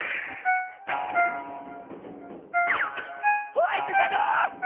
ホワイトシャドー！